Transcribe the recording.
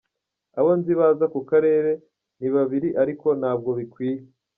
Abo nzi baza ku karere ni babiri ariko ntabwo bikwiye”.